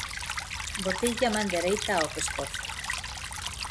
Boteille a man dereita ao pescozo.